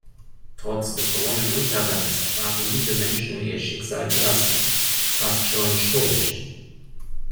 Trotz des drohenden Untergangs erwarten diese Menschen ihr Schicksal gelassen, fast schon stoisch.